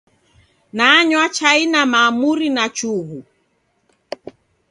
Nanywa chai na maamuri na chughu